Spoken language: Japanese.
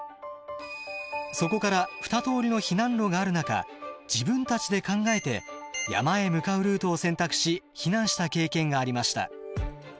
そこから２通りの避難路がある中自分たちで考えて山へ向かうルートを選択し避難した経験がありました。